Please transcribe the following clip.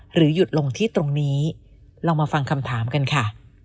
หยุดลงที่ตรงนี้ลองมาฟังคำถามกันค่ะ